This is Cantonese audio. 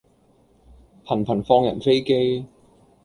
頻頻放人飛機